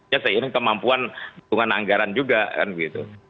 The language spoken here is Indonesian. ya seiring kemampuan dukungan anggaran juga kan gitu